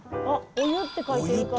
「お湯」って書いてる。